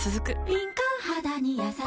敏感肌にやさしい